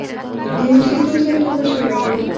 د اوسېدو ځای ټاکل شوی و.